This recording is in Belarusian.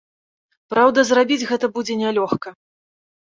Праўда, зрабіць гэта будзе нялёгка.